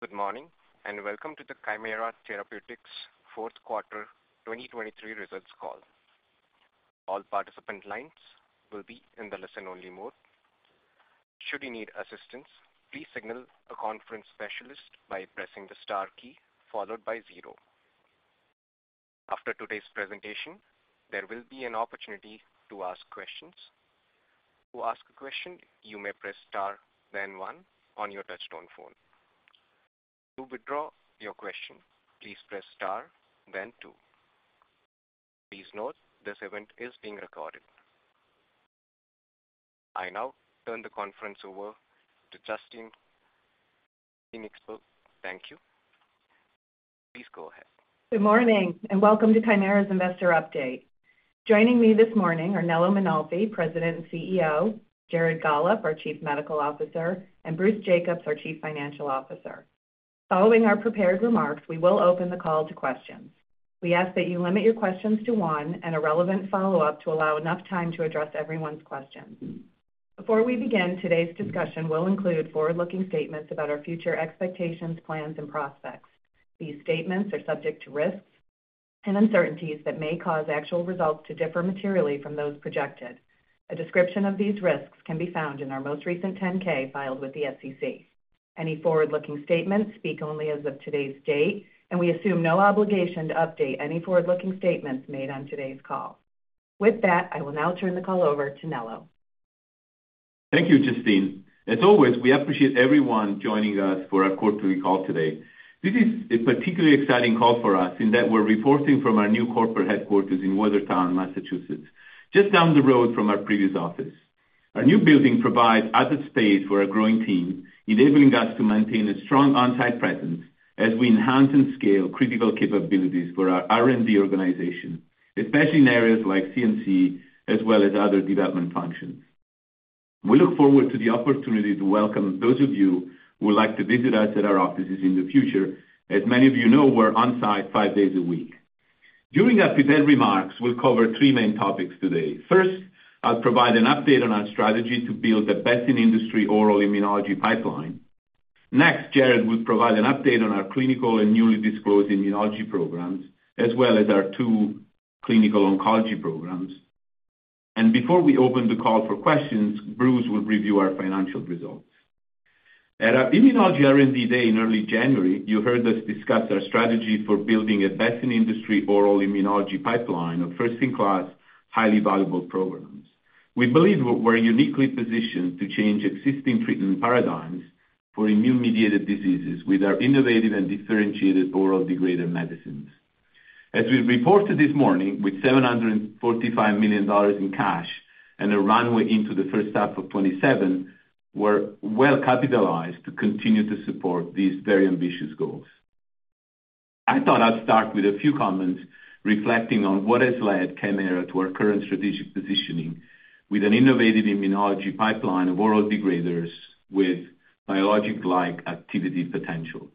Good morning and welcome to the Kymera Therapeutics fourth quarter 2023 results call. All participant lines will be in the listen-only mode. Should you need assistance, please signal a conference specialist by pressing the star key followed by zero. After today's presentation, there will be an opportunity to ask questions. To ask a question, you may press star then one on your touchtone phone. To withdraw your question, please press star then two. Please note this event is being recorded. I now turn the conference over to Justine Koenigsberg. Thank you. Please go ahead. Good morning and welcome to Kymera's investor update. Joining me this morning are Nello Mainolfi, President and CEO; Jared Gollob, our Chief Medical Officer; and Bruce Jacobs, our Chief Financial Officer. Following our prepared remarks, we will open the call to questions. We ask that you limit your questions to one and a relevant follow-up to allow enough time to address everyone's questions. Before we begin, today's discussion will include forward-looking statements about our future expectations, plans, and prospects. These statements are subject to risks and uncertainties that may cause actual results to differ materially from those projected. A description of these risks can be found in our most recent 10-K filed with the SEC. Any forward-looking statements speak only as of today's date, and we assume no obligation to update any forward-looking statements made on today's call. With that, I will now turn the call over to Nello. Thank you, Justine. As always, we appreciate everyone joining us for our quarterly call today. This is a particularly exciting call for us in that we're reporting from our new corporate headquarters in Watertown, Massachusetts, just down the road from our previous office. Our new building provides added space for our growing team, enabling us to maintain a strong on-site presence as we enhance and scale critical capabilities for our R&D organization, especially in areas like CMC as well as other development functions. We look forward to the opportunity to welcome those of you who would like to visit us at our offices in the future. As many of you know, we're on-site five days a week. During our prepared remarks, we'll cover three main topics today. First, I'll provide an update on our strategy to build the best-in-industry oral immunology pipeline. Next, Jared will provide an update on our clinical and newly disclosed immunology programs as well as our two clinical oncology programs. Before we open the call for questions, Bruce will review our financial results. At our Immunology R&D Day in early January, you heard us discuss our strategy for building a best-in-industry oral immunology pipeline of first-in-class, highly valuable programs. We believe we're uniquely positioned to change existing treatment paradigms for immune-mediated diseases with our innovative and differentiated oral degrader medicines. As we reported this morning, with $745 million in cash and a runway into the first half of 2027, we're well capitalized to continue to support these very ambitious goals. I thought I'd start with a few comments reflecting on what has led Kymera to our current strategic positioning with an innovative immunology pipeline of oral degraders with biologic-like activity potential.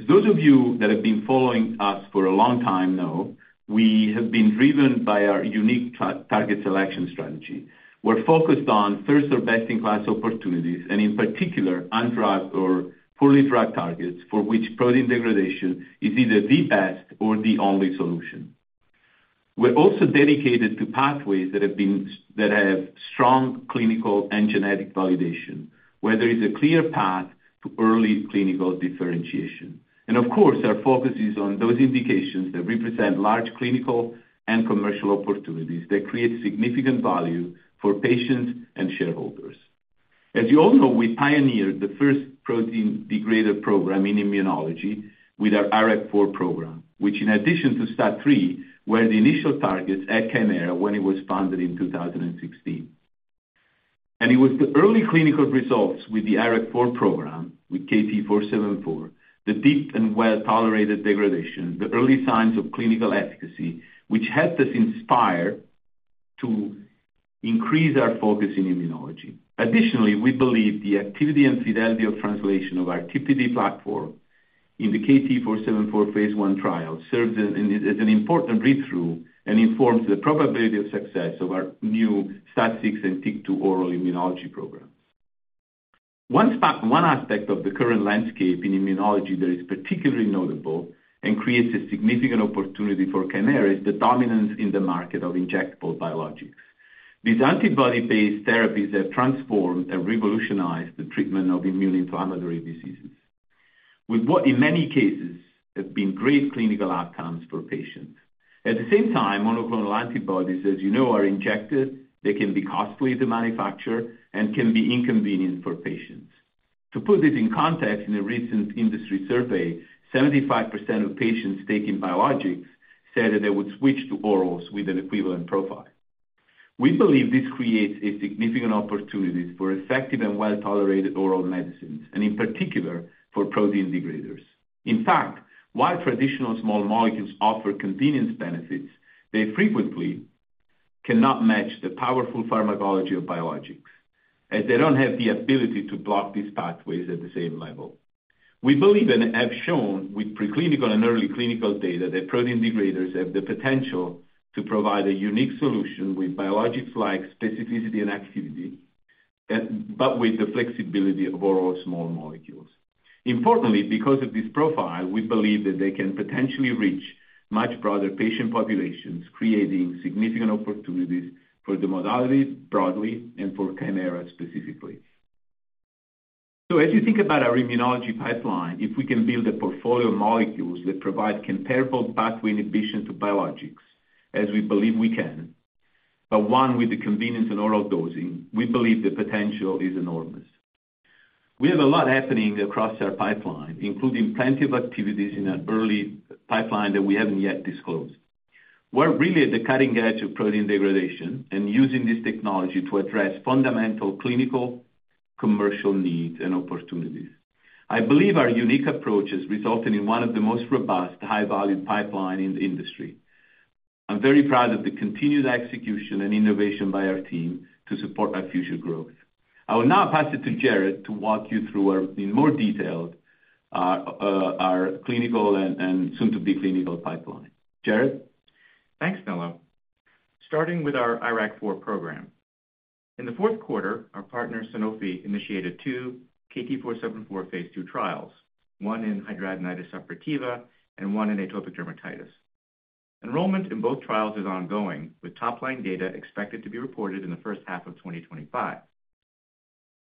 As those of you that have been following us for a long time know, we have been driven by our unique target selection strategy. We're focused on first or best-in-class opportunities and, in particular, un-drugged or poorly drugged targets for which protein degradation is either the best or the only solution. We're also dedicated to pathways that have strong clinical and genetic validation, where there is a clear path to early clinical differentiation. And of course, our focus is on those indications that represent large clinical and commercial opportunities that create significant value for patients and shareholders. As you all know, we pioneered the first protein degrader program in immunology with our IRAK4 program, which, in addition to STAT3, were the initial targets at Kymera when it was founded in 2016. It was the early clinical results with the IRAK4 program, with KT-474, the deep and well-tolerated degradation, the early signs of clinical efficacy, which helped us inspire to increase our focus in immunology. Additionally, we believe the activity and fidelity of translation of our TPD platform in the KT-474 phase I trial serves as an important breakthrough and informs the probability of success of our new STAT6 and TYK2 oral immunology programs. One aspect of the current landscape in immunology that is particularly notable and creates a significant opportunity for Kymera is the dominance in the market of injectable biologics. These antibody-based therapies have transformed and revolutionized the treatment of immune-inflammatory diseases, with what, in many cases, have been great clinical outcomes for patients. At the same time, monoclonal antibodies, as you know, are injected. They can be costly to manufacture and can be inconvenient for patients. To put this in context, in a recent industry survey, 75% of patients taking biologics said that they would switch to orals with an equivalent profile. We believe this creates significant opportunities for effective and well-tolerated oral medicines, and in particular, for protein degraders. In fact, while traditional small molecules offer convenience benefits, they frequently cannot match the powerful pharmacology of biologics, as they don't have the ability to block these pathways at the same level. We believe and have shown with preclinical and early clinical data that protein degraders have the potential to provide a unique solution with biologics-like specificity and activity but with the flexibility of oral small molecules. Importantly, because of this profile, we believe that they can potentially reach much broader patient populations, creating significant opportunities for the modality broadly and for Kymera specifically. So as you think about our immunology pipeline, if we can build a portfolio of molecules that provide comparable pathway inhibition to biologics, as we believe we can, but one with the convenience and oral dosing, we believe the potential is enormous. We have a lot happening across our pipeline, including plenty of activities in our early pipeline that we haven't yet disclosed. We're really at the cutting edge of protein degradation and using this technology to address fundamental clinical, commercial needs and opportunities. I believe our unique approach is resulting in one of the most robust, high-value pipelines in the industry. I'm very proud of the continued execution and innovation by our team to support our future growth. I will now pass it to Jared to walk you through in more detail our clinical and soon-to-be clinical pipeline. Jared? Thanks, Nello. Starting with our IRAK4 program, in the fourth quarter, our partner Sanofi initiated two KT474 phase II trials, one in hidradenitis suppurativa and one in atopic dermatitis. Enrollment in both trials is ongoing, with top-line data expected to be reported in the first half of 2025.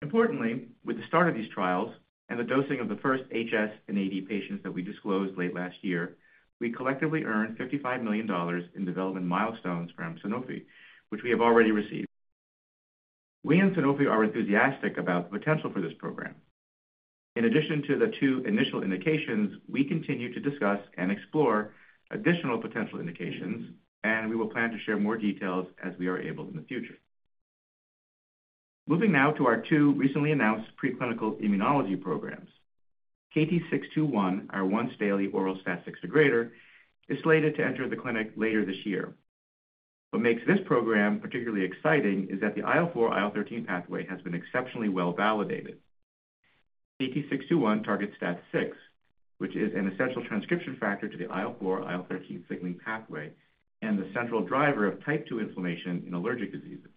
Importantly, with the start of these trials and the dosing of the first HS and AD patients that we disclosed late last year, we collectively earned $55 million in development milestones from Sanofi, which we have already received. We and Sanofi are enthusiastic about the potential for this program. In addition to the two initial indications, we continue to discuss and explore additional potential indications, and we will plan to share more details as we are able in the future. Moving now to our two recently announced preclinical immunology programs, KT-621, our once-daily oral STAT6 degrader, is slated to enter the clinic later this year. What makes this program particularly exciting is that the IL-4/IL-13 pathway has been exceptionally well-validated. KT-621 targets STAT6, which is an essential transcription factor to the IL-4/IL-13 signaling pathway and the central driver of type 2 inflammation in allergic diseases.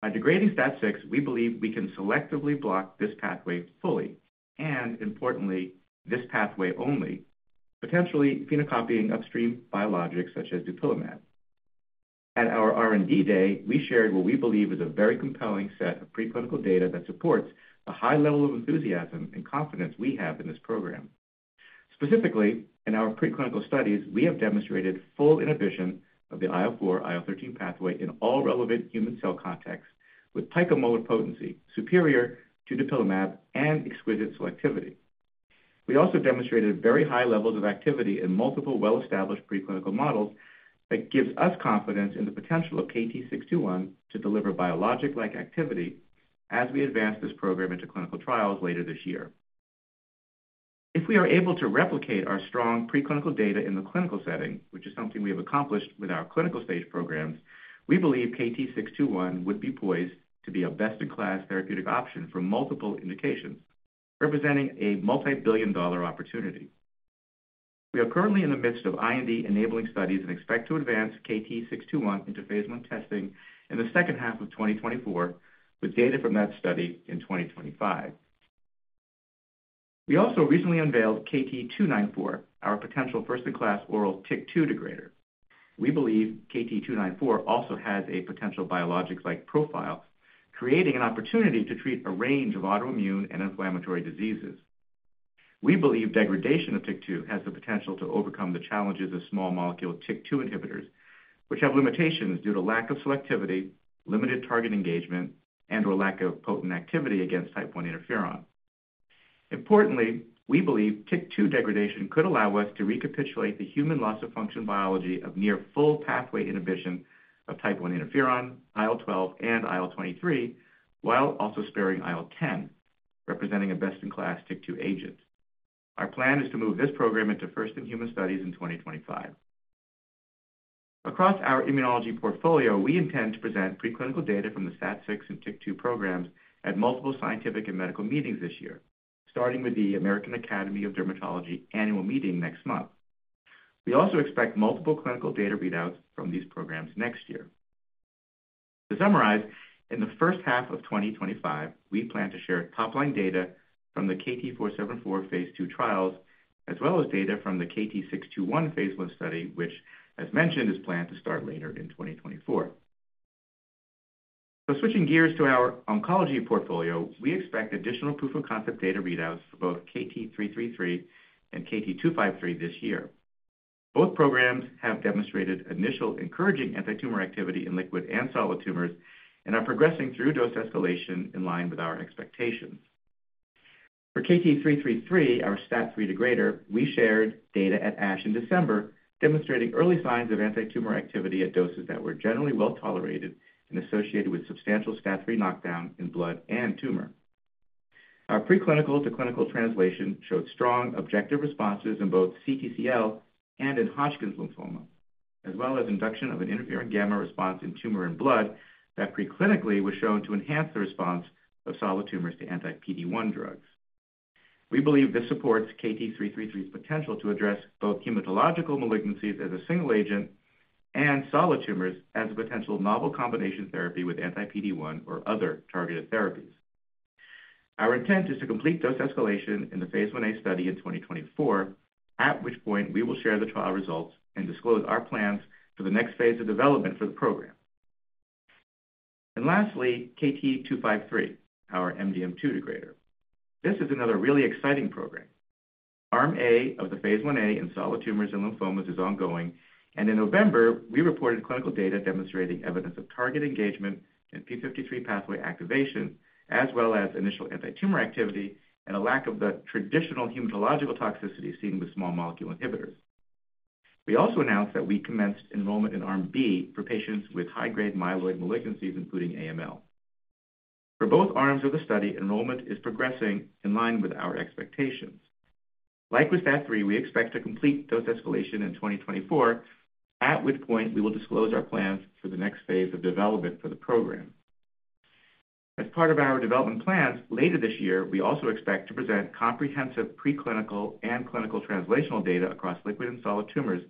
By degrading STAT6, we believe we can selectively block this pathway fully and, importantly, this pathway only, potentially phenocopying upstream biologics such as dupilumab. At our R&D Day, we shared what we believe is a very compelling set of preclinical data that supports the high level of enthusiasm and confidence we have in this program. Specifically, in our preclinical studies, we have demonstrated full inhibition of the IL-4/IL-13 pathway in all relevant human cell contexts with picomolar potency superior to dupilumab and exquisite selectivity. We also demonstrated very high levels of activity in multiple well-established preclinical models that gives us confidence in the potential of KT-621 to deliver biologic-like activity as we advance this program into clinical trials later this year. If we are able to replicate our strong preclinical data in the clinical setting, which is something we have accomplished with our clinical stage programs, we believe KT-621 would be poised to be a best-in-class therapeutic option for multiple indications, representing a multi-billion dollar opportunity. We are currently in the midst of IND-enabling studies and expect to advance KT-621 into phase I testing in the second half of 2024 with data from that study in 2025. We also recently unveiled KT-294, our potential first-in-class oral TYK2 degrader. We believe KT-294 also has a potential biologic-like profile, creating an opportunity to treat a range of autoimmune and inflammatory diseases. We believe degradation of TYK2 has the potential to overcome the challenges of small molecule TYK2 inhibitors, which have limitations due to lack of selectivity, limited target engagement, and/or lack of potent activity against type 1 interferon. Importantly, we believe TYK2 degradation could allow us to recapitulate the human loss of function biology of near full pathway inhibition of type 1 interferon, IL-12, and IL-23 while also sparing IL-10, representing a best-in-class TYK2 agent. Our plan is to move this program into first-in-human studies in 2025. Across our immunology portfolio, we intend to present preclinical data from the STAT6 and TYK2 programs at multiple scientific and medical meetings this year, starting with the American Academy of Dermatology annual meeting next month. We also expect multiple clinical data readouts from these programs next year. To summarize, in the first half of 2025, we plan to share top-line data from the KT-474 phase II trials as well as data from the KT-621 phase I study, which, as mentioned, is planned to start later in 2024. So switching gears to our oncology portfolio, we expect additional proof-of-concept data readouts for both KT-333 and KT-253 this year. Both programs have demonstrated initial encouraging antitumor activity in liquid and solid tumors and are progressing through dose escalation in line with our expectations. For KT-333, our STAT3 degrader, we shared data at ASH in December, demonstrating early signs of antitumor activity at doses that were generally well-tolerated and associated with substantial STAT3 knockdown in blood and tumor. Our preclinical to clinical translation showed strong objective responses in both CTCL and in Hodgkin's lymphoma, as well as induction of an interferon gamma response in tumor and blood that preclinically was shown to enhance the response of solid tumors to anti-PD-1 drugs. We believe this supports KT-333's potential to address both hematological malignancies as a single agent and solid tumors as a potential novel combination therapy with anti-PD-1 or other targeted therapies. Our intent is to complete dose escalation in the phase 1A study in 2024, at which point we will share the trial results and disclose our plans for the next phase of development for the program. And lastly, KT-253, our MDM2 degrader. This is another really exciting program. Arm A of the phase I-A in solid tumors and lymphomas is ongoing, and in November, we reported clinical data demonstrating evidence of target engagement and p53 pathway activation, as well as initial antitumor activity and a lack of the traditional hematological toxicity seen with small molecule inhibitors. We also announced that we commenced enrollment in Arm B for patients with high-grade myeloid malignancies, including AML. For both arms of the study, enrollment is progressing in line with our expectations. Like with STAT3, we expect to complete dose escalation in 2024, at which point we will disclose our plans for the next phase of development for the program. As part of our development plans later this year, we also expect to present comprehensive preclinical and clinical translational data across liquid and solid tumors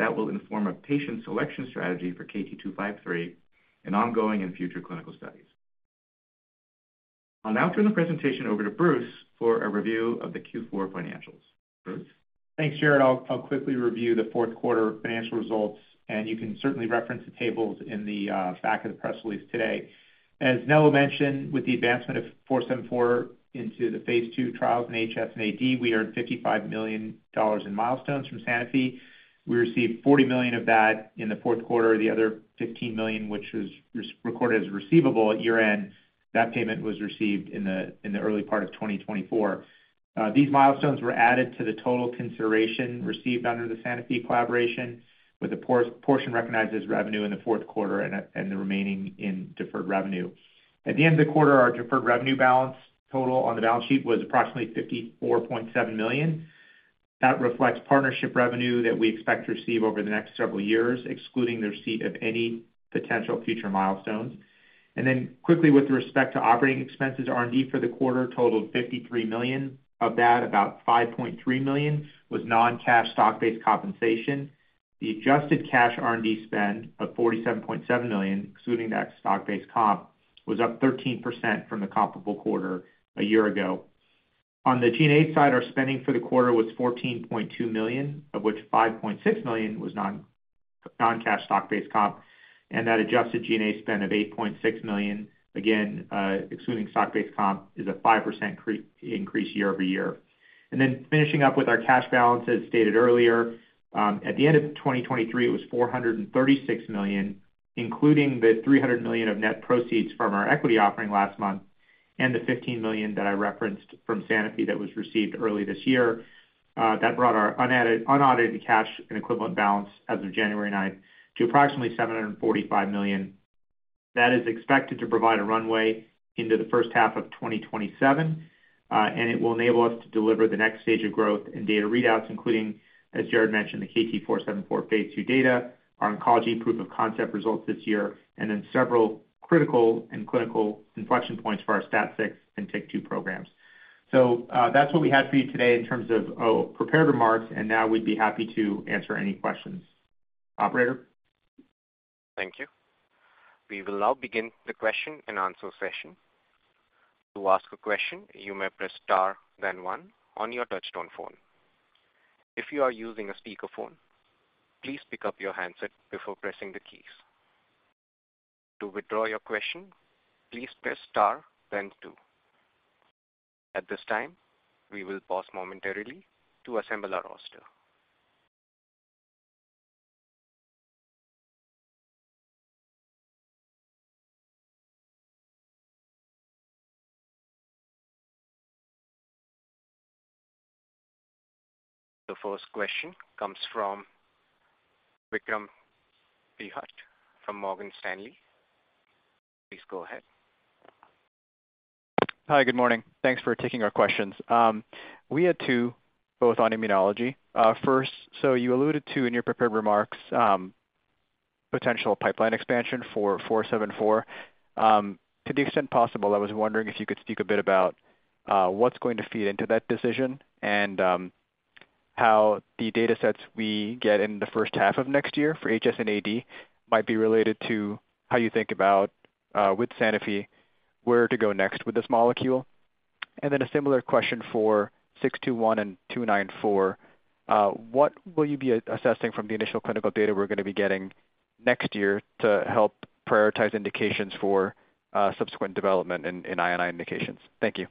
that will inform a patient selection strategy for KT-253 in ongoing and future clinical studies. I'll now turn the presentation over to Bruce for a review of the Q4 financials. Bruce? Thanks, Jared. I'll quickly review the fourth quarter financial results, and you can certainly reference the tables in the back of the press release today. As Nello mentioned, with the advancement of 474 into the phase II trials in HS and AD, we earned $55 million in milestones from Sanofi. We received $40 million of that in the fourth quarter. The other $15 million, which was recorded as receivable at year-end, that payment was received in the early part of 2024. These milestones were added to the total consideration received under the Sanofi collaboration, with a portion recognized as revenue in the fourth quarter and the remaining in deferred revenue. At the end of the quarter, our deferred revenue balance total on the balance sheet was approximately $54.7 million. That reflects partnership revenue that we expect to receive over the next several years, excluding the receipt of any potential future milestones. And then quickly, with respect to operating expenses, R&D for the quarter totaled $53 million. Of that, about $5.3 million was non-cash stock-based compensation. The adjusted cash R&D spend of $47.7 million, excluding that stock-based comp, was up 13% from the comparable quarter a year ago. On the G&A side, our spending for the quarter was $14.2 million, of which $5.6 million was non-cash stock-based comp, and that adjusted G&A spend of $8.6 million, again, excluding stock-based comp, is a 5% increase year-over-year. And then finishing up with our cash balance, as stated earlier, at the end of 2023, it was $436 million, including the $300 million of net proceeds from our equity offering last month and the $15 million that I referenced from Sanofi that was received early this year. That brought our unaudited cash and equivalent balance as of January 9th to approximately $745 million. That is expected to provide a runway into the first half of 2027, and it will enable us to deliver the next stage of growth and data readouts, including, as Jared mentioned, the KT-474 phase II data, our oncology proof-of-concept results this year, and then several critical and clinical inflection points for our STAT6 and TYK2 programs. So that's what we had for you today in terms of prepared remarks, and now we'd be happy to answer any questions. Operator? Thank you. We will now begin the question and answer session. To ask a question, you may press star, then one, on your touchtone phone. If you are using a speakerphone, please pick up your handset before pressing the keys. To withdraw your question, please press star, then two. At this time, we will pause momentarily to assemble our roster. The first question comes from Vikram Purohit from Morgan Stanley. Please go ahead. Hi. Good morning. Thanks for taking our questions. We had two, both on immunology. First, so you alluded to in your prepared remarks potential pipeline expansion for 474. To the extent possible, I was wondering if you could speak a bit about what's going to feed into that decision and how the datasets we get in the first half of next year for HS and AD might be related to how you think about, with Sanofi, where to go next with this molecule. And then a similar question for 621 and 294. What will you be assessing from the initial clinical data we're going to be getting next year to help prioritize indications for subsequent development in immuno-inflammatory indications? Thank you.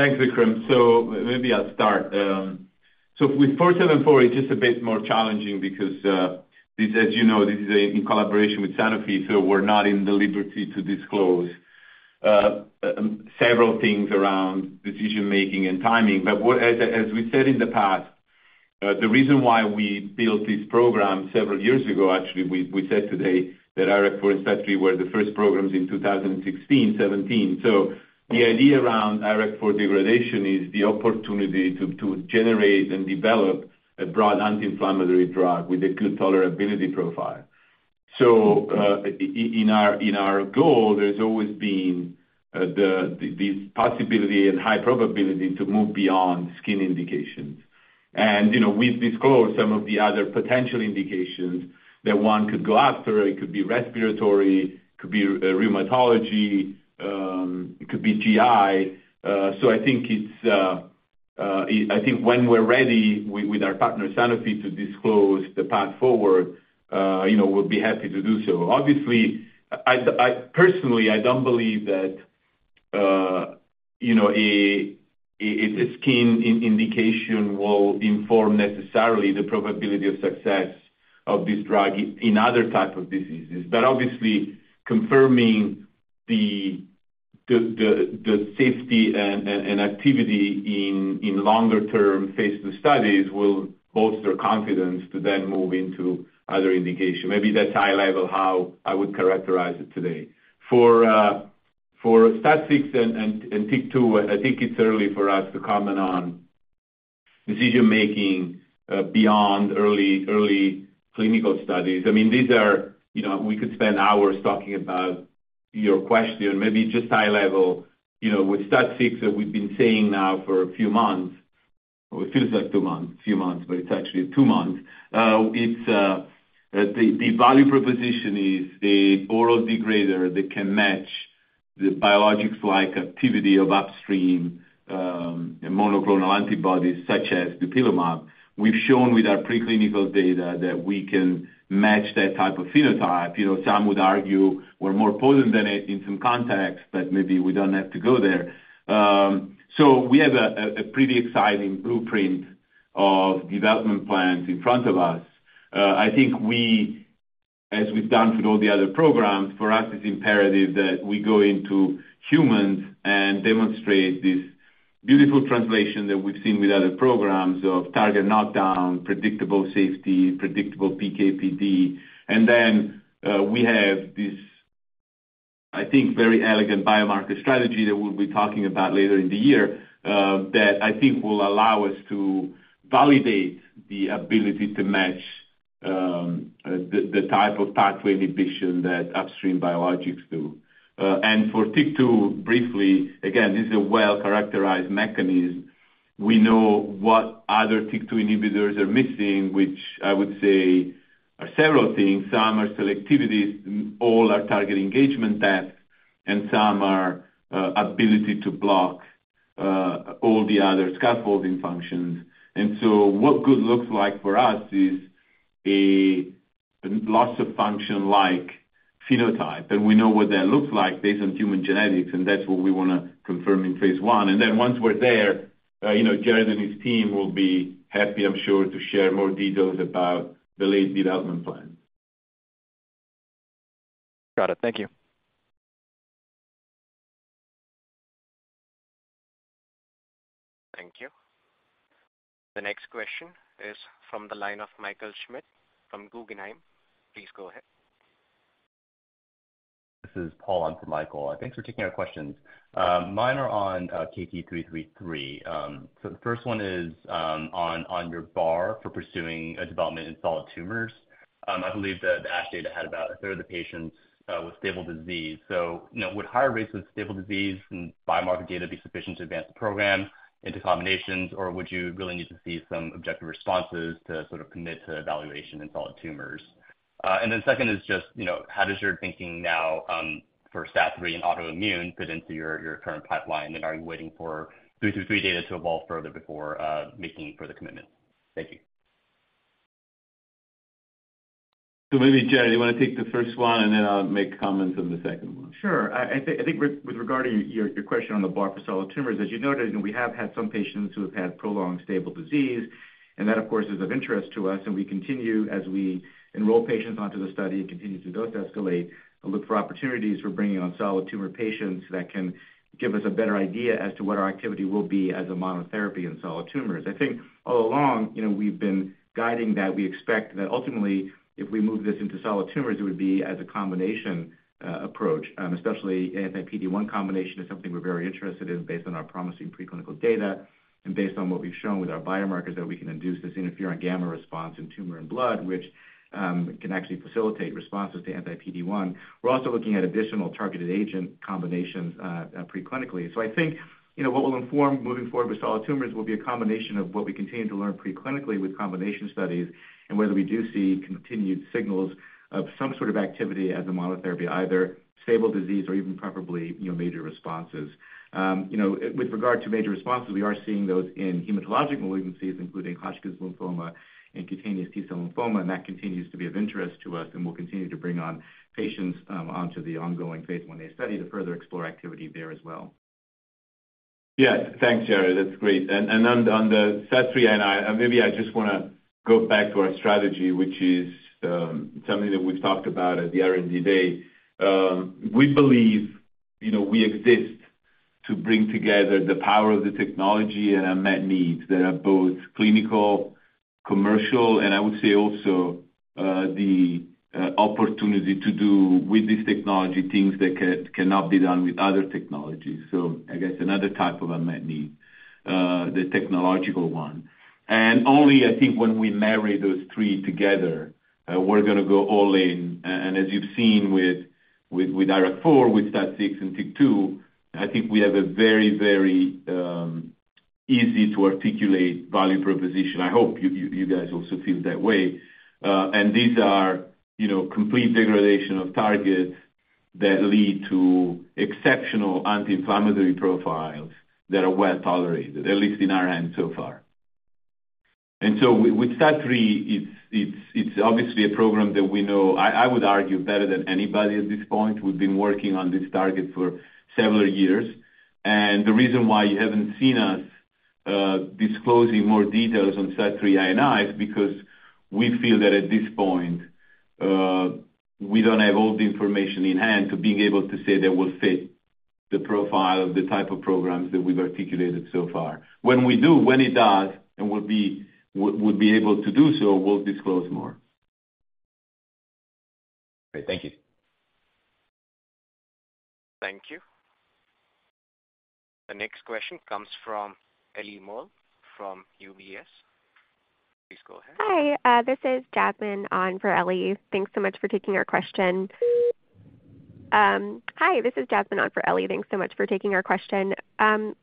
Thanks, Vikram. So maybe I'll start. So with 474, it's just a bit more challenging because, as you know, this is in collaboration with Sanofi, so we're not at liberty to disclose several things around decision-making and timing. But as we said in the past, the reason why we built this program several years ago, actually, we said today that IRAK4 and STAT3 were the first programs in 2016, 2017. So the idea around IRAK4 degradation is the opportunity to generate and develop a broad anti-inflammatory drug with a good tolerability profile. So in our goal, there's always been this possibility and high probability to move beyond skin indications. And we've disclosed some of the other potential indications that one could go after. It could be respiratory, could be rheumatology, could be GI. So I think it's when we're ready with our partner, Sanofi, to disclose the path forward, we'll be happy to do so. Obviously, personally, I don't believe that a skin indication will inform necessarily the probability of success of this drug in other types of diseases. Obviously, confirming the safety and activity in longer-term phase II studies will bolster confidence to then move into other indications. Maybe that's high-level how I would characterize it today. For STAT6 and TYK2, I think it's early for us to comment on decision-making beyond early clinical studies. I mean, these are we could spend hours talking about your question. Maybe just high-level, with STAT6, that we've been saying now for a few months well, it feels like two months, few months, but it's actually two months. The value proposition is an oral degrader that can match the biologic-like activity of upstream monoclonal antibodies such as dupilumab. We've shown with our preclinical data that we can match that type of phenotype. Some would argue we're more potent than it in some contexts, but maybe we don't have to go there. So we have a pretty exciting blueprint of development plans in front of us. I think, as we've done with all the other programs, for us, it's imperative that we go into humans and demonstrate this beautiful translation that we've seen with other programs of target knockdown, predictable safety, predictable PKPD. And then we have this, I think, very elegant biomarker strategy that we'll be talking about later in the year that I think will allow us to validate the ability to match the type of pathway inhibition that upstream biologics do. For TYK2, briefly, again, this is a well-characterized mechanism. We know what other TYK2 inhibitors are missing, which I would say are several things. Some are selectivities. All are target engagement tests, and some are ability to block all the other scaffolding functions. So what good looks like for us is a loss of function-like phenotype. We know what that looks like based on human genetics, and that's what we want to confirm in phase I. Then once we're there, Jared and his team will be happy, I'm sure, to share more details about the late development plans. Got it. Thank you. Thank you. The next question is from the line of Michael Schmidt from Guggenheim. Please go ahead. This is Paul on for Michael. Thanks for taking our questions. Mine are on KT-333. So the first one is on your bar for pursuing a development in solid tumors. I believe the ASH data had about a third of the patients with stable disease. So would higher rates of stable disease and biomarker data be sufficient to advance the program into combinations, or would you really need to see some objective responses to sort of commit to evaluation in solid tumors? And then second is just, how does your thinking now for STAT3 and autoimmune fit into your current pipeline, and are you waiting for 333 data to evolve further before making further commitments? Thank you. Maybe, Jared, you want to take the first one, and then I'll make comments on the second one. Sure. I think with regard to your question on the bar for solid tumors, as you noted, we have had some patients who have had prolonged stable disease, and that, of course, is of interest to us. We continue, as we enroll patients onto the study and continue to dose escalate, look for opportunities for bringing on solid tumor patients that can give us a better idea as to what our activity will be as a monotherapy in solid tumors. I think all along, we've been guiding that we expect that ultimately, if we move this into solid tumors, it would be as a combination approach, especially anti-PD-1 combination is something we're very interested in based on our promising preclinical data and based on what we've shown with our biomarkers that we can induce this interferon gamma response in tumor and blood, which can actually facilitate responses to anti-PD-1. We're also looking at additional targeted agent combinations preclinically. I think what will inform moving forward with solid tumors will be a combination of what we continue to learn preclinically with combination studies and whether we do see continued signals of some sort of activity as a monotherapy, either stable disease or even preferably major responses. With regard to major responses, we are seeing those in hematologic malignancies, including Hodgkin's lymphoma and cutaneous T-cell lymphoma, and that continues to be of interest to us. We'll continue to bring on patients onto the ongoing phase I-A study to further explore activity there as well. Yes. Thanks, Jared. That's great. And on the STAT3 and I maybe I just want to go back to our strategy, which is something that we've talked about at the R&D day. We believe we exist to bring together the power of the technology and unmet needs that are both clinical, commercial, and I would say also the opportunity to do with this technology things that cannot be done with other technologies. So I guess another type of unmet need, the technological one. And only, I think, when we marry those three together, we're going to go all in. And as you've seen with IRAK4, with STAT6, and TYK2, I think we have a very, very easy-to-articulate value proposition. I hope you guys also feel that way. And these are complete degradation of targets that lead to exceptional anti-inflammatory profiles that are well tolerated, at least in our hands so far. And so with STAT3, it's obviously a program that we know, I would argue, better than anybody at this point. We've been working on this target for several years. And the reason why you haven't seen us disclosing more details on STAT3 IND is because we feel that at this point, we don't have all the information in hand to being able to say that will fit the profile of the type of programs that we've articulated so far. When we do, when it does and we'll be able to do so, we'll disclose more. Great. Thank you. Thank you. The next question comes from Ellie Merle from UBS. Please go ahead. Hi. This is Jasmine on for Ellie. Thanks so much for taking our question.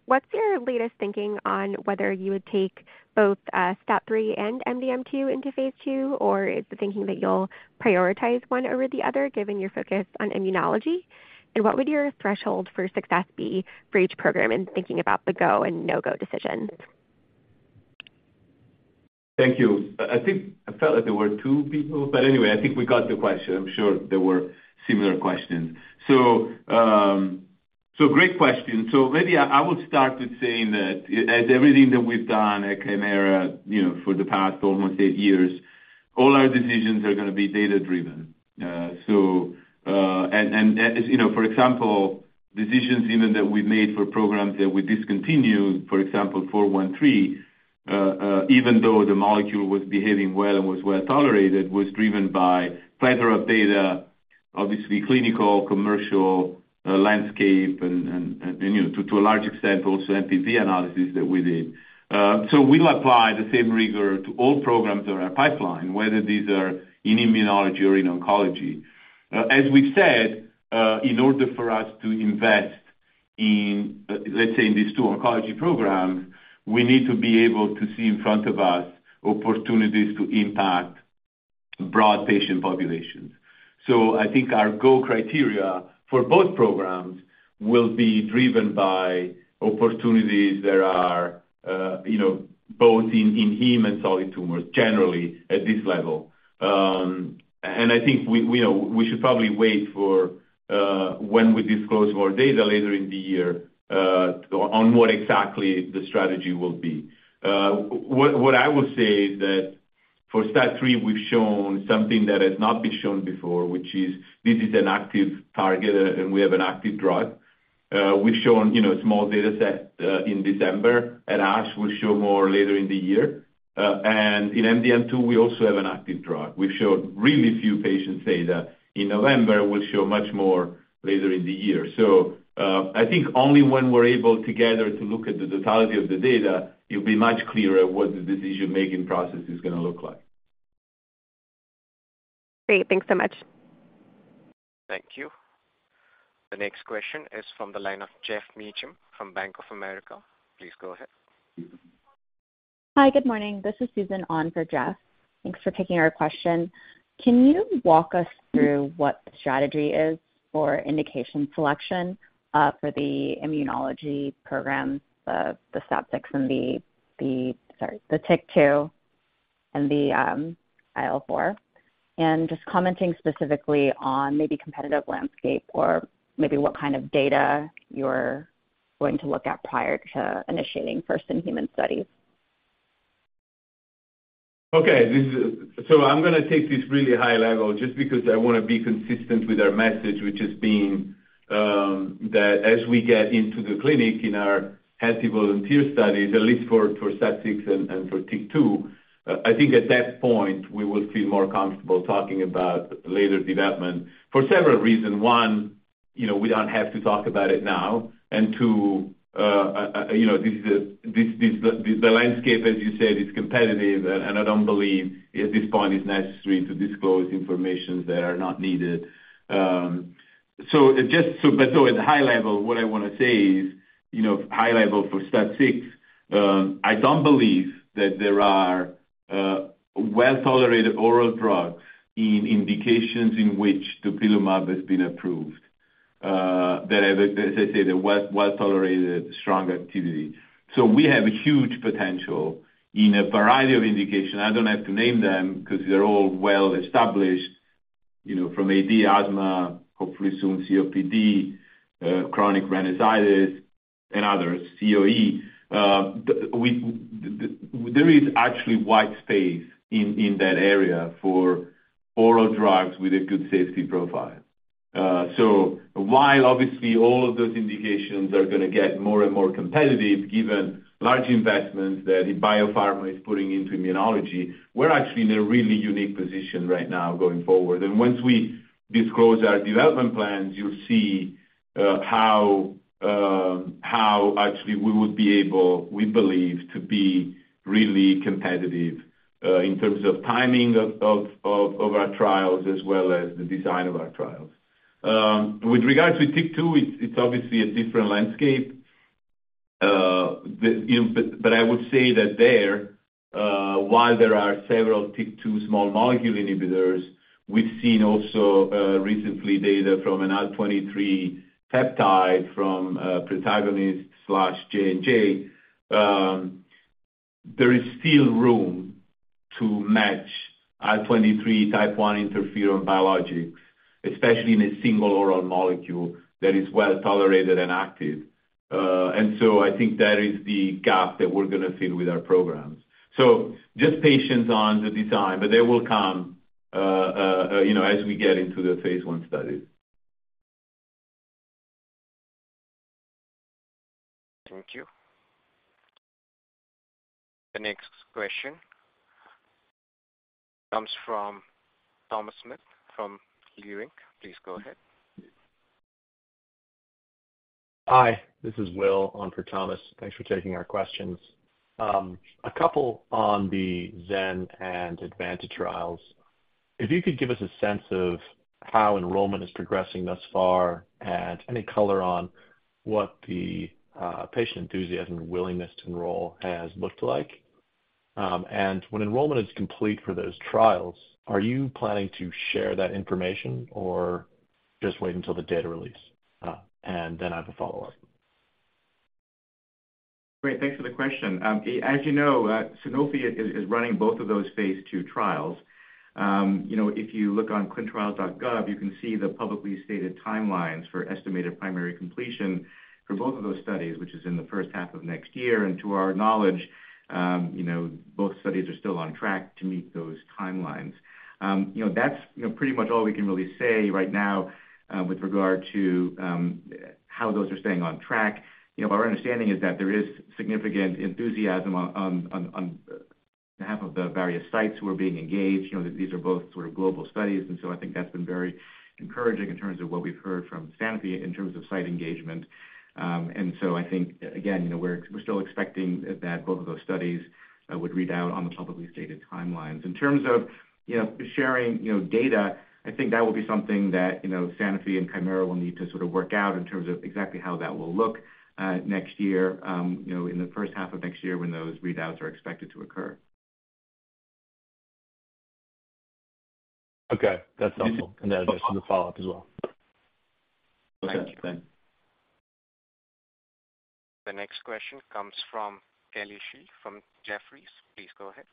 What's your latest thinking on whether you would take both STAT3 and MDM2 into phase II, or is the thinking that you'll prioritize one over the other given your focus on immunology? And what would your threshold for success be for each program in thinking about the go and no-go decisions? Thank you. I think I felt like there were two people, but anyway, I think we got the question. I'm sure there were similar questions. So great question. So maybe I will start with saying that everything that we've done at Kymera for the past almost eight years, all our decisions are going to be data-driven. And for example, decisions even that we've made for programs that we discontinued, for example, 413, even though the molecule was behaving well and was well tolerated, was driven by plethora of data, obviously clinical, commercial, landscape, and to a large extent, also NPV analysis that we did. So we'll apply the same rigor to all programs on our pipeline, whether these are in immunology or in oncology. As we've said, in order for us to invest, let's say, in these two oncology programs, we need to be able to see in front of us opportunities to impact broad patient populations. I think our goal criteria for both programs will be driven by opportunities that are both in heme and solid tumors, generally, at this level. I think we should probably wait for when we disclose more data later in the year on what exactly the strategy will be. What I will say is that for STAT3, we've shown something that has not been shown before, which is this is an active target, and we have an active drug. We've shown a small dataset in December. At ASH, we'll show more later in the year. In MDM2, we also have an active drug. We've shown really few patients' data in November. We'll show much more later in the year. I think only when we're able together to look at the totality of the data, it'll be much clearer what the decision-making process is going to look like. Great. Thanks so much. Thank you. The next question is from the line of Geoff Meacham from Bank of America. Please go ahead. Hi. Good morning. This is Susan on for Geoff. Thanks for taking our question. Can you walk us through what the strategy is for indication selection for the immunology programs, the STAT6 and the sorry, the TYK2 and the IL-4, and just commenting specifically on maybe competitive landscape or maybe what kind of data you're going to look at prior to initiating first-in-human studies? Okay. So I'm going to take this really high-level just because I want to be consistent with our message, which is being that as we get into the clinic in our healthy volunteer studies, at least for STAT6 and for TYK2, I think at that point, we will feel more comfortable talking about later development for several reasons. One, we don't have to talk about it now. And two, this is the landscape, as you said, is competitive, and I don't believe at this point it's necessary to disclose information that are not needed. So but though, at high level, what I want to say is high-level for STAT6, I don't believe that there are well-tolerated oral drugs in indications in which dupilumab has been approved that have, as I say, the well-tolerated strong activity. So we have a huge potential in a variety of indications. I don't have to name them because they're all well-established from AD, asthma, hopefully soon COPD, chronic rhinosinusitis, and others, EoE. There is actually white space in that area for oral drugs with a good safety profile. So while obviously all of those indications are going to get more and more competitive given large investments that big pharma is putting into immunology, we're actually in a really unique position right now going forward. And once we disclose our development plans, you'll see how actually we would be able, we believe, to be really competitive in terms of timing of our trials as well as the design of our trials. With regards to TYK2, it's obviously a different landscape. But I would say that there, while there are several TYK2 small molecule inhibitors, we've seen also recently data from an IL-23 peptide from Protagonist/J&J, there is still room to match IL-23 Type 1 interferon biologics, especially in a single oral molecule that is well-tolerated and active. So I think that is the gap that we're going to fill with our programs. Just patience on the design, but that will come as we get into the phase I studies. Thank you. The next question comes from Thomas Smith from Leerink. Please go ahead. Hi. This is Will on for Thomas. Thanks for taking our questions. A couple on the Xen and Advanta trials. If you could give us a sense of how enrollment is progressing thus far and any color on what the patient enthusiasm and willingness to enroll has looked like. And when enrollment is complete for those trials, are you planning to share that information or just wait until the data release, and then have a follow-up? Great. Thanks for the question. As you know, Sanofi is running both of those Phase II trials. If you look on clinicaltrials.gov, you can see the publicly stated timelines for estimated primary completion for both of those studies, which is in the first half of next year. And to our knowledge, both studies are still on track to meet those timelines. That's pretty much all we can really say right now with regard to how those are staying on track. Our understanding is that there is significant enthusiasm on behalf of the various sites who are being engaged. These are both sort of global studies. And so I think that's been very encouraging in terms of what we've heard from Sanofi in terms of site engagement. And so I think, again, we're still expecting that both of those studies would read out on the publicly stated timelines. In terms of sharing data, I think that will be something that Sanofi and Kymera will need to sort of work out in terms of exactly how that will look next year, in the first half of next year when those readouts are expected to occur. Okay. That's helpful. And that addresses the follow-up as well. Okay. Thanks. The next question comes from Kelly Shi from Jefferies. Please go ahead.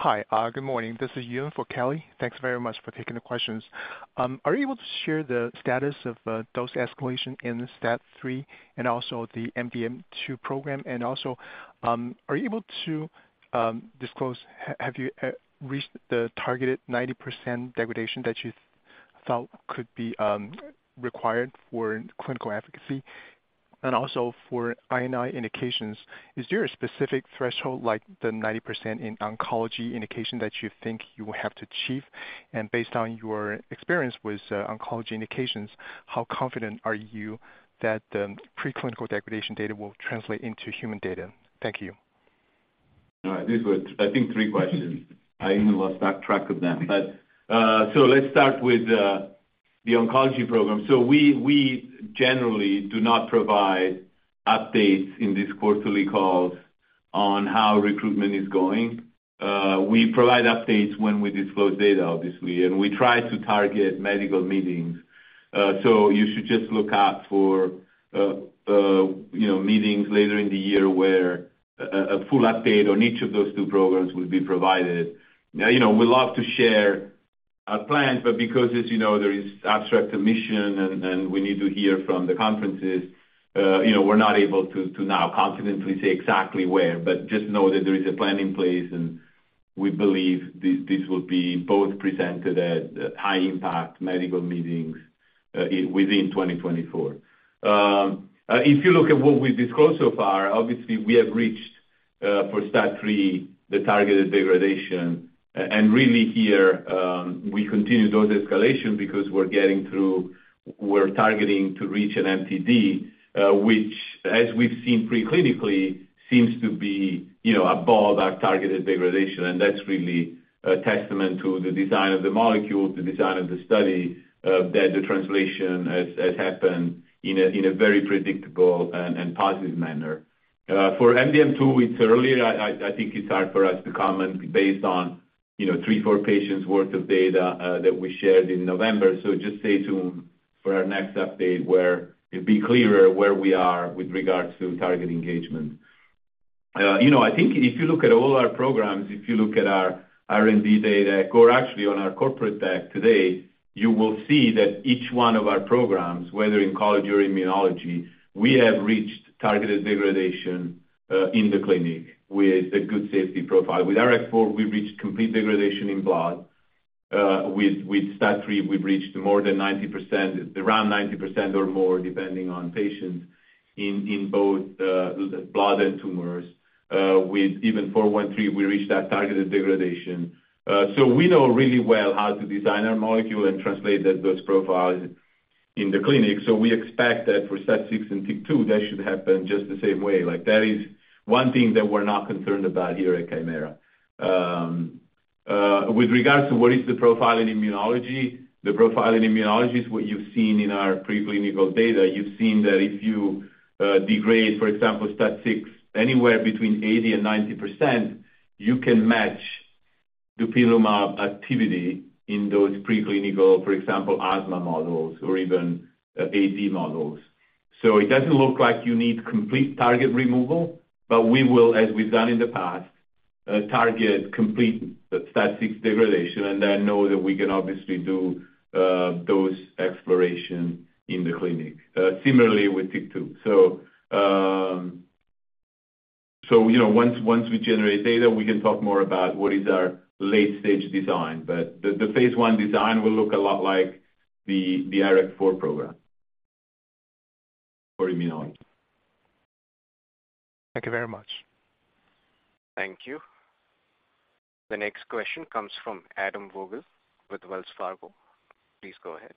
Hi. Good morning. This is Yun for Kelly. Thanks very much for taking the questions. Are you able to share the status of dose escalation in the STAT3 and also the MDM2 program? And also, are you able to disclose, have you reached the targeted 90% degradation that you thought could be required for clinical efficacy? And also for INI indications, is there a specific threshold like the 90% in oncology indication that you think you will have to achieve? And based on your experience with oncology indications, how confident are you that the preclinical degradation data will translate into human data? Thank you. All right. These were, I think, three questions. I even lost track of them. So let's start with the oncology program. So we generally do not provide updates in these quarterly calls on how recruitment is going. We provide updates when we disclose data, obviously. And we try to target medical meetings. So you should just look out for meetings later in the year where a full update on each of those two programs will be provided. We love to share our plans, but because there is abstract admission and we need to hear from the conferences, we're not able to now confidently say exactly where. But just know that there is a plan in place, and we believe this will be both presented at high-impact medical meetings within 2024. If you look at what we've disclosed so far, obviously, we have reached for STAT3 the targeted degradation. And really here, we continue dose escalation because we're getting through, we're targeting to reach an MTD, which, as we've seen preclinically, seems to be above our targeted degradation. And that's really a testament to the design of the molecule, the design of the study, that the translation has happened in a very predictable and positive manner. For MDM2, it's earlier. I think it's hard for us to comment based on 3, 4 patients' worth of data that we shared in November. So just say to them for our next update where it'll be clearer where we are with regards to target engagement. I think if you look at all our programs, if you look at our R&D data or actually on our corporate deck today, you will see that each one of our programs, whether in oncology or immunology, we have reached targeted degradation in the clinic with a good safety profile. With IRAK4, we've reached complete degradation in blood. With STAT3, we've reached more than 90%, around 90% or more depending on patients in both blood and tumors. With even KT-413, we reached that targeted degradation. So we know really well how to design our molecule and translate those profiles in the clinic. So we expect that for STAT6 and TYK2, that should happen just the same way. That is one thing that we're not concerned about here at Kymera. With regards to what is the profile in immunology, the profile in immunology is what you've seen in our preclinical data. You've seen that if you degrade, for example, STAT6 anywhere between 80%-90%, you can match dupilumab activity in those preclinical, for example, asthma models or even AD models. So it doesn't look like you need complete target removal, but we will, as we've done in the past, target complete STAT6 degradation and then know that we can obviously do those explorations in the clinic, similarly with TYK2. So once we generate data, we can talk more about what is our late-stage design. But the phase I design will look a lot like the IRAK4 program for immunology. Thank you very much. Thank you. The next question comes from Adam Vogel with Wells Fargo. Please go ahead.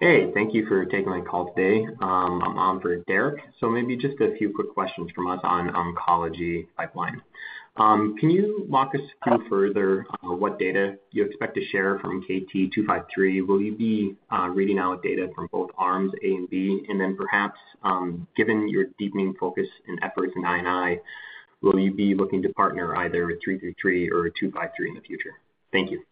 Hey. Thank you for taking my call today. I'm on for Derek. So maybe just a few quick questions from us on oncology pipeline. Can you walk us through further what data you expect to share from KT-253? Will you be reading out data from both arms, A and B? And then perhaps, given your deepening focus and efforts in IO, will you be looking to partner either with KT-333 or KT-253 in the future? Thank you.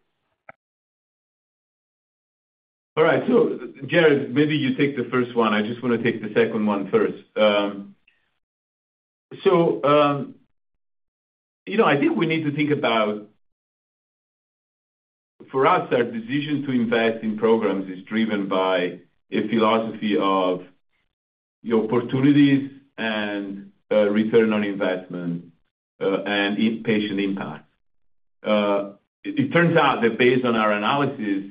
All right. So Jared, maybe you take the first one. I just want to take the second one first. So I think we need to think about for us, our decision to invest in programs is driven by a philosophy of opportunities and return on investment and patient impact. It turns out that based on our analysis,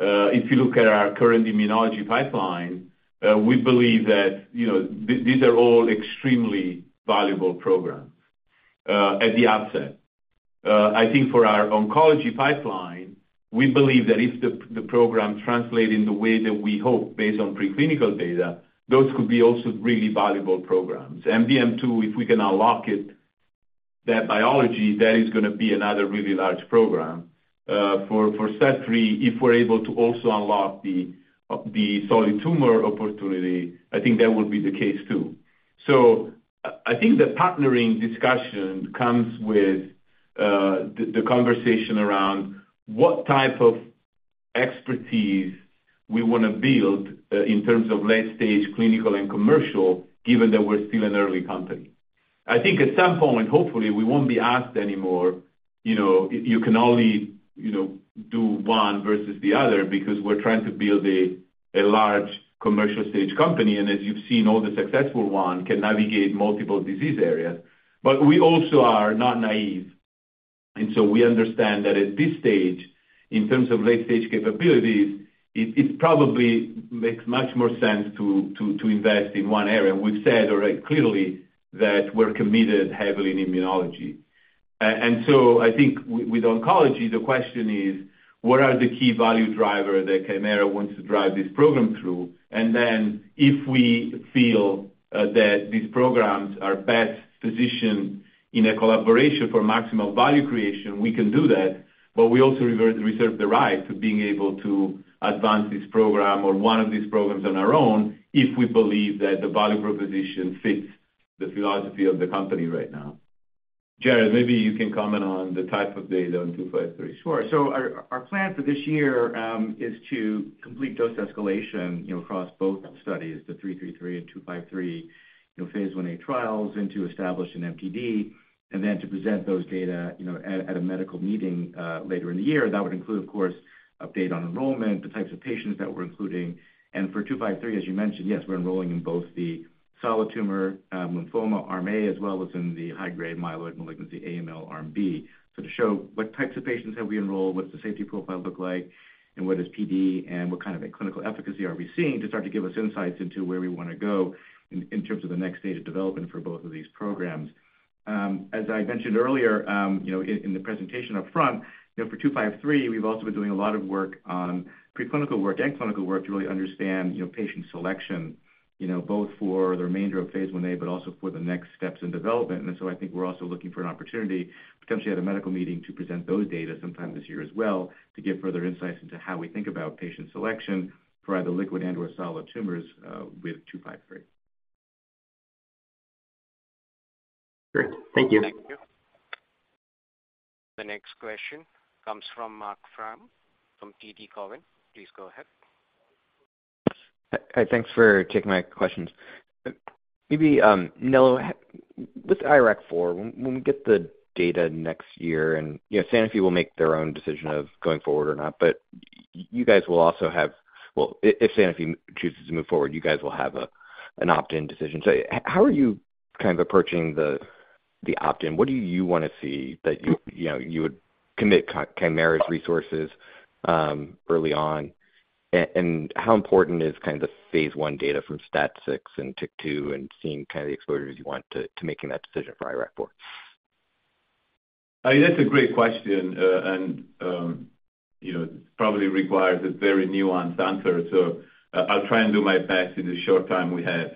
if you look at our current immunology pipeline, we believe that these are all extremely valuable programs at the outset. I think for our oncology pipeline, we believe that if the program translates in the way that we hope based on preclinical data, those could be also really valuable programs. MDM2, if we can unlock that biology, that is going to be another really large program. For STAT3, if we're able to also unlock the solid tumor opportunity, I think that will be the case too. I think the partnering discussion comes with the conversation around what type of expertise we want to build in terms of late-stage clinical and commercial, given that we're still an early company. I think at some point, hopefully, we won't be asked anymore, "You can only do one versus the other," because we're trying to build a large commercial-stage company. As you've seen, all the successful ones can navigate multiple disease areas. But we also are not naive. We understand that at this stage, in terms of late-stage capabilities, it probably makes much more sense to invest in one area. We've said already clearly that we're committed heavily in immunology. With oncology, the question is, what are the key value drivers that Kymera wants to drive this program through? And then if we feel that these programs are best positioned in a collaboration for maximum value creation, we can do that. But we also reserve the right to being able to advance this program or one of these programs on our own if we believe that the value proposition fits the philosophy of the company right now. Jared, maybe you can comment on the type of data on 253. Sure. So our plan for this year is to complete dose escalation across both studies, the KT-333 and KT-253 phase I-A trials, and to establish an MTD. Then to present those data at a medical meeting later in the year, that would include, of course, update on enrollment, the types of patients that we're including. For KT-253, as you mentioned, yes, we're enrolling in both the solid tumor lymphoma arm A as well as in the high-grade myeloid malignancy AML arm B. So to show what types of patients have we enrolled, what does the safety profile look like, and what is PD, and what kind of clinical efficacy are we seeing to start to give us insights into where we want to go in terms of the next stage of development for both of these programs. As I mentioned earlier in the presentation upfront, for 253, we've also been doing a lot of work on preclinical work and clinical work to really understand patient selection both for the remainder of phase I-A, but also for the next steps in development. And so I think we're also looking for an opportunity potentially at a medical meeting to present those data sometime this year as well to give further insights into how we think about patient selection for either liquid and/or solid tumors with 253. Great. Thank you. Thank you. The next question comes from Marc Frahm from TD Cowen. Please go ahead. Thanks for taking my questions. Maybe, Nello, with IRAK4, when we get the data next year and Sanofi will make their own decision of going forward or not, but you guys will also have well, if Sanofi chooses to move forward, you guys will have an opt-in decision. So how are you kind of approaching the opt-in? What do you want to see that you would commit Kymera's resources early on? And how important is kind of the phase I data from STAT6 and TYK2 and seeing kind of the exposures you want to making that decision for IRAK4? That's a great question and probably requires a very nuanced answer. So I'll try and do my best in the short time we have.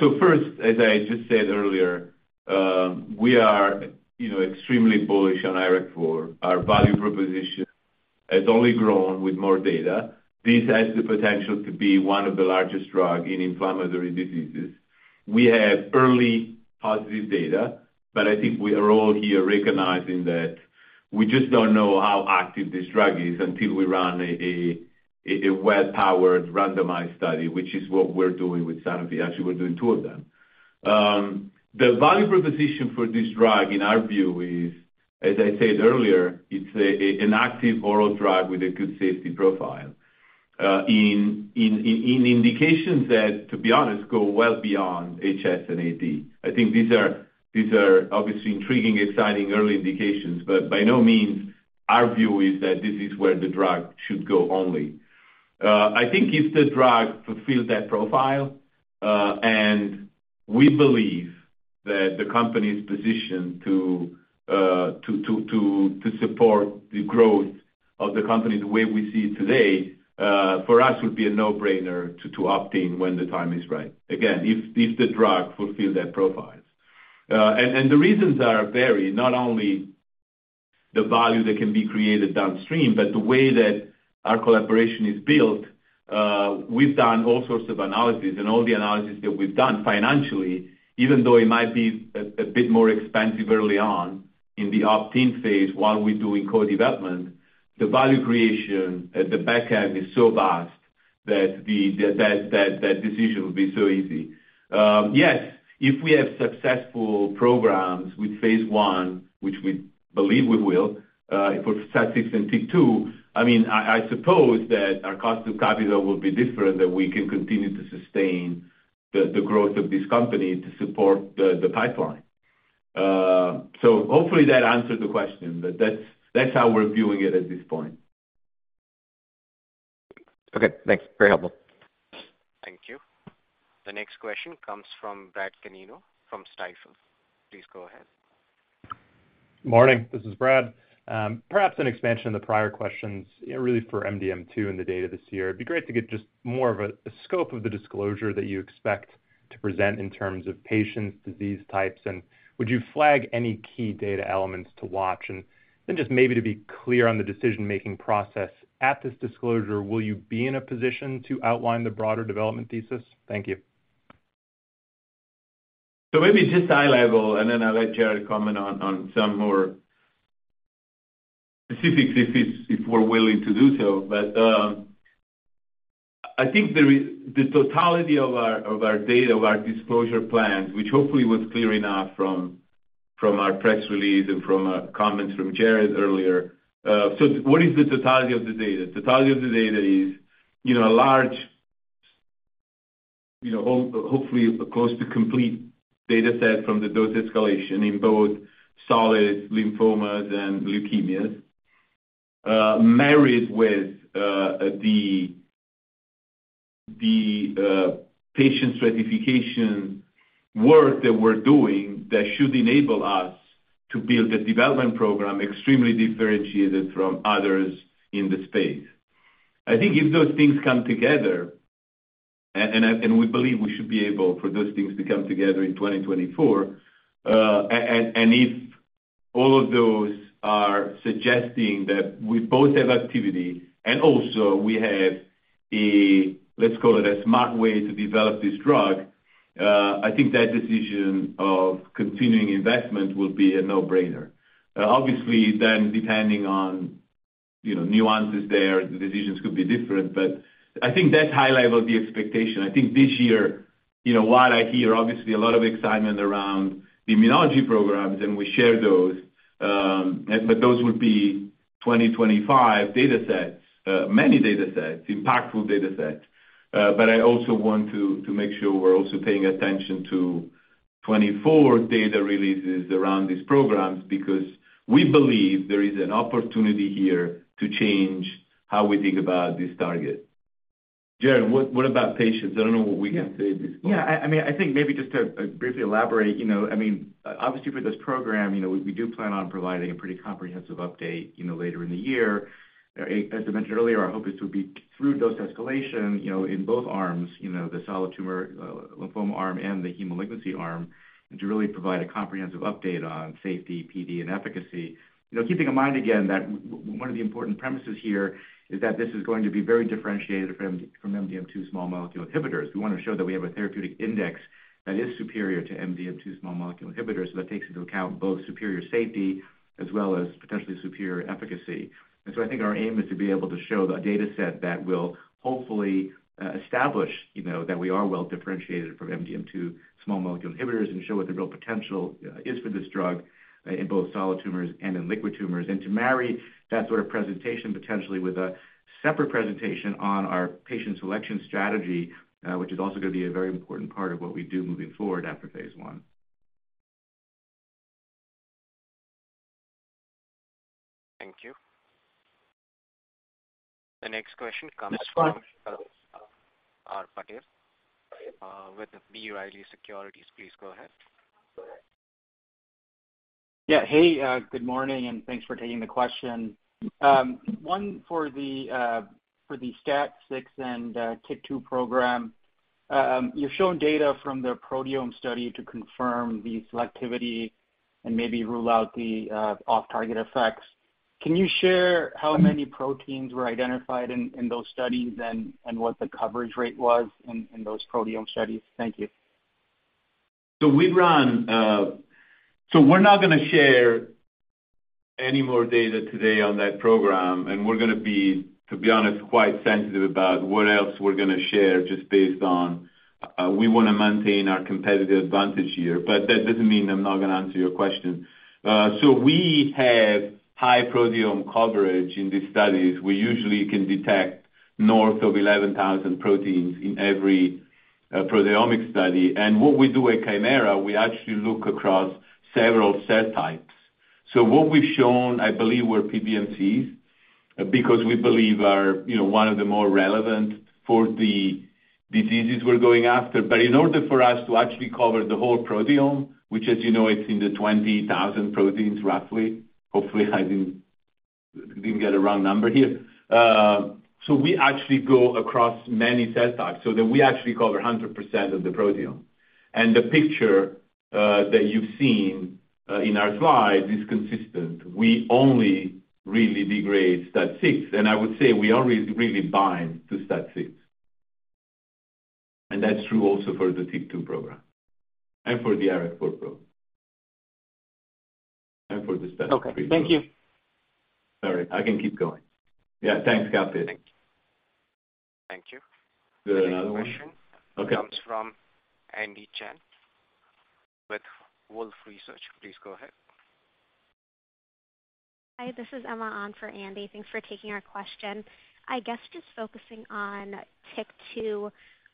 So first, as I just said earlier, we are extremely bullish on IRAK4. Our value proposition has only grown with more data. This has the potential to be one of the largest drugs in inflammatory diseases. We have early positive data. But I think we are all here recognizing that we just don't know how active this drug is until we run a well-powered randomized study, which is what we're doing with Sanofi. Actually, we're doing two of them. The value proposition for this drug, in our view, is, as I said earlier, it's an active oral drug with a good safety profile in indications that, to be honest, go well beyond HS and AD. I think these are obviously intriguing, exciting early indications. But by no means, our view is that this is where the drug should go only. I think if the drug fulfills that profile and we believe that the company's position to support the growth of the company the way we see it today, for us, it would be a no-brainer to opt-in when the time is right, again, if the drug fulfills that profile. And the reasons are varied, not only the value that can be created downstream, but the way that our collaboration is built. We've done all sorts of analyses. And all the analyses that we've done financially, even though it might be a bit more expensive early on in the opt-in phase while we're doing co-development, the value creation at the back end is so vast that that decision will be so easy. Yes, if we have successful programs with phase I, which we believe we will for STAT6 and TYK2, I mean, I suppose that our cost of capital will be different, that we can continue to sustain the growth of this company to support the pipeline. So hopefully, that answered the question. That's how we're viewing it at this point. Okay. Thanks. Very helpful. Thank you. The next question comes from Brad Canino from Stifel. Please go ahead. Morning. This is Brad. Perhaps an expansion of the prior questions, really for MDM2 and the data this year. It'd be great to get just more of a scope of the disclosure that you expect to present in terms of patients, disease types. Would you flag any key data elements to watch? Then just maybe to be clear on the decision-making process at this disclosure, will you be in a position to outline the broader development thesis? Thank you. So maybe just high level, and then I'll let Jared comment on some more specifics if we're willing to do so. But I think the totality of our data, of our disclosure plans, which hopefully was clear enough from our press release and from comments from Jared earlier. So what is the totality of the data? Totality of the data is a large, hopefully, close to complete dataset from the dose escalation in both solid lymphomas and leukemias, married with the patient stratification work that we're doing that should enable us to build a development program extremely differentiated from others in the space. I think if those things come together and we believe we should be able for those things to come together in 2024. And if all of those are suggesting that we both have activity and also we have, let's call it, a smart way to develop this drug, I think that decision of continuing investment will be a no-brainer. Obviously, then depending on nuances there, the decisions could be different. But I think that's high level the expectation. I think this year, while I hear, obviously, a lot of excitement around the immunology programs, and we share those, but those will be 2025 datasets, many datasets, impactful datasets. But I also want to make sure we're also paying attention to 2024 data releases around these programs because we believe there is an opportunity here to change how we think about this target. Jared, what about patients? I don't know what we can say at this point. Yeah. I mean, I think maybe just to briefly elaborate, I mean, obviously, for this program, we do plan on providing a pretty comprehensive update later in the year. As I mentioned earlier, our hope is to be through dose escalation in both arms, the solid tumor lymphoma arm and the hematologic malignancy arm, and to really provide a comprehensive update on safety, PD, and efficacy. Keeping in mind, again, that one of the important premises here is that this is going to be very differentiated from MDM2 small molecule inhibitors. We want to show that we have a therapeutic index that is superior to MDM2 small molecule inhibitors. So that takes into account both superior safety as well as potentially superior efficacy. So I think our aim is to be able to show a dataset that will hopefully establish that we are well differentiated from MDM2 small molecule inhibitors and show what the real potential is for this drug in both solid tumors and in liquid tumors. To marry that sort of presentation potentially with a separate presentation on our patient selection strategy, which is also going to be a very important part of what we do moving forward after phase I. Thank you. The next question comes from Kalpit Patel with B. Riley Securities. Please go ahead. Yeah. Hey. Good morning. Thanks for taking the question. One, for the STAT6 and TYK2 program, you've shown data from the proteome study to confirm the selectivity and maybe rule out the off-target effects. Can you share how many proteins were identified in those studies and what the coverage rate was in those proteome studies? Thank you. So we're not going to share any more data today on that program. We're going to be, to be honest, quite sensitive about what else we're going to share just based on we want to maintain our competitive advantage here. But that doesn't mean I'm not going to answer your question. We have high proteome coverage in these studies. We usually can detect north of 11,000 proteins in every proteomic study. What we do at Kymera, we actually look across several cell types. What we've shown, I believe, were PBMCs because we believe are one of the more relevant for the diseases we're going after. But in order for us to actually cover the whole proteome, which, as you know, it's in the 20,000 proteins, roughly hopefully, I didn't get a wrong number here. So we actually go across many cell types so that we actually cover 100% of the proteome. The picture that you've seen in our slides is consistent. We only really degrade STAT6. I would say we are really bind to STAT6. That's true also for the TYK2 program and for the IRAK4 program and for the STAT3 program. Okay. Thank you. Sorry. I can keep going. Yeah. Thanks, Kalpit. Thank you. Thank you. Is there another one? Yeah. Okay. Comes from Andy Chen with Wolfe Research. Please go ahead. Hi. This is Emma on for Andy. Thanks for taking our question. I guess just focusing on TYK2,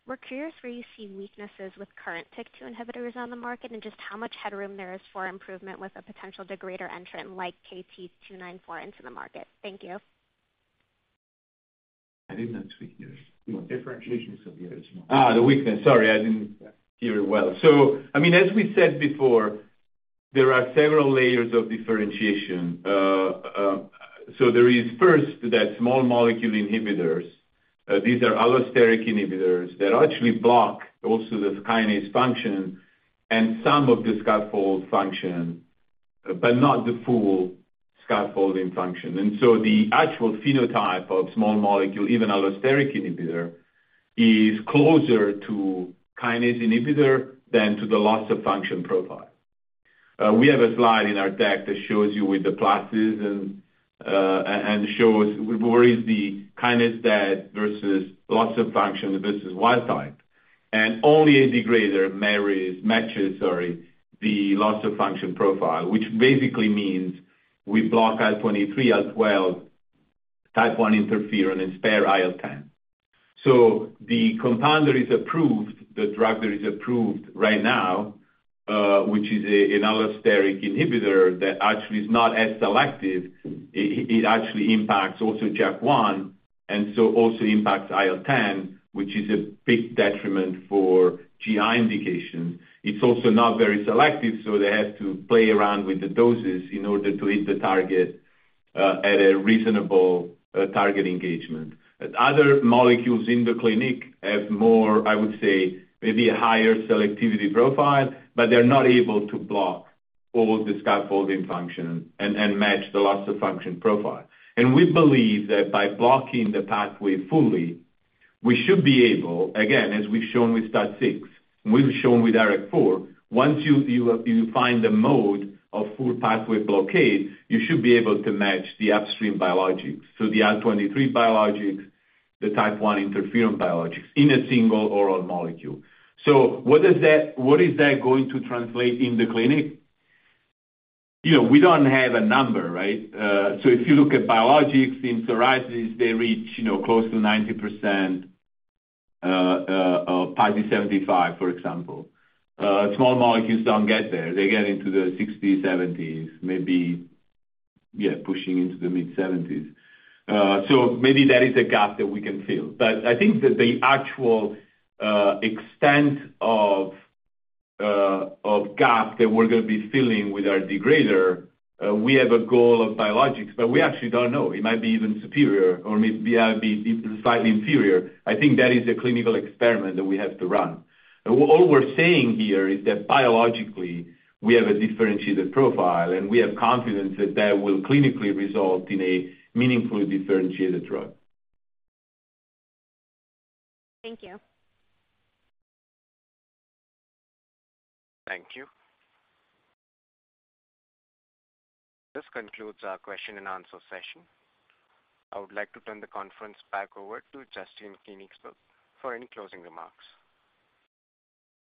we're curious where you see weaknesses with current TYK2 inhibitors on the market and just how much headroom there is for improvement with a potential degrader entrant like KT-294 into the market. Thank you. I did not speak here. Differentiation is severe. The weakness. Sorry. I didn't hear it well. So I mean, as we said before, there are several layers of differentiation. So there is first that small molecule inhibitors. These are allosteric inhibitors that actually block also the kinase function and some of the scaffold function, but not the full scaffolding function. And so the actual phenotype of small molecule, even allosteric inhibitor, is closer to kinase inhibitor than to the loss of function profile. We have a slide in our dech that shows you with the plusses and shows where is the kinase dead versus loss of function versus wild type. And only a degrader matches the loss of function profile, which basically means we block IL-23, IL-12, Type 1 Interferon, and spare IL-10. So the compound that is approved, the drug that is approved right now, which is an allosteric inhibitor that actually is not as selective, it actually impacts also JAK1 and so also impacts IL-10, which is a big detriment for GI indications. It's also not very selective. So they have to play around with the doses in order to hit the target at a reasonable target engagement. Other molecules in the clinic have more, I would say, maybe a higher selectivity profile, but they're not able to block all the scaffolding function and match the loss of function profile. We believe that by blocking the pathway fully, we should be able again, as we've shown with STAT6, we've shown with IRAK4, once you find the mode of full pathway blockade, you should be able to match the upstream biologics, so the IL-23 biologics, the type 1 interferon biologics in a single oral molecule. So what is that going to translate in the clinic? We don't have a number, right? So if you look at biologics in psoriasis, they reach close to 90%, PASI-75, for example. Small molecules don't get there. They get into the 60s, 70s, maybe, yeah, pushing into the mid-70s. So maybe that is a gap that we can fill. But I think that the actual extent of gap that we're going to be filling with our degrader, we have a goal of biologics, but we actually don't know. It might be even superior or it might be slightly inferior. I think that is a clinical experiment that we have to run. All we're saying here is that biologically, we have a differentiated profile, and we have confidence that that will clinically result in a meaningfully differentiated drug. Thank you. Thank you. This concludes our question-and-answer session. I would like to turn the conference back over to Justine Koenigsberg for any closing remarks.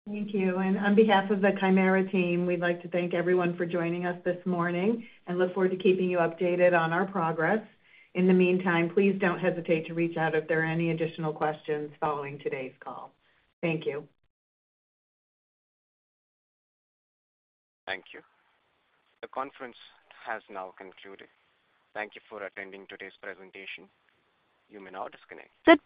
Thank you. On behalf of the Kymera team, we'd like to thank everyone for joining us this morning and look forward to keeping you updated on our progress. In the meantime, please don't hesitate to reach out if there are any additional questions following today's call. Thank you. Thank you. The conference has now concluded. Thank you for attending today's presentation. You may now disconnect.